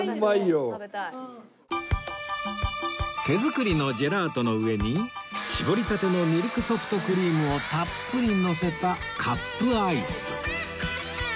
手作りのジェラートの上に搾りたてのミルクソフトクリームをたっぷりのせたカップアイス